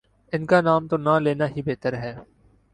ان کا نام تو نہ لینا ہی بہتر ہے۔